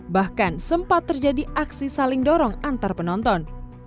bahkan sempat terjadi aksi saling dorong antar penonton